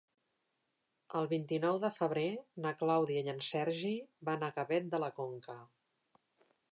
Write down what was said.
El vint-i-nou de febrer na Clàudia i en Sergi van a Gavet de la Conca.